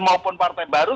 maupun partai baru